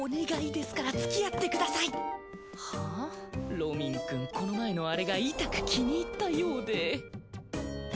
ロミンくんこの前のあれがいたく気に入ったようで。